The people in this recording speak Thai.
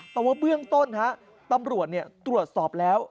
แต่ว่าเบื้องต้นตำรวจตรวจสอบแล้ว